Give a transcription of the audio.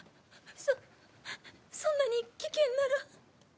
そそんなに危険なら。